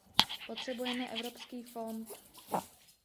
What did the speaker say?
Potřebujeme evropský fond.